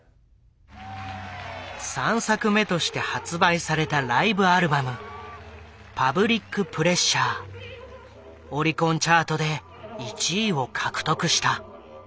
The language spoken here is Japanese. ３作目として発売されたライブアルバムオリコンチャートで１位を獲得した。